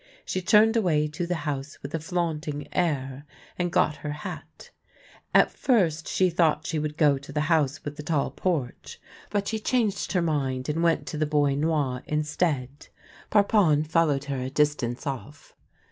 She turned away to the house with a flaunting air, and got her hat. At first she thought she would go to the House with the Tall Porch, but she changed her mind, and went to the Bois Noir instead. Parpon followed her a distance off.